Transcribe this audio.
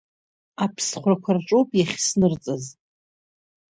Аԥсхәрақәа рҿы ауп иахьснырҵаз.